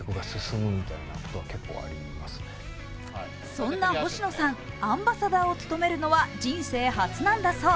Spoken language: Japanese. そんな星野さん、アンバサダーを務めるのは人生初なんだそう。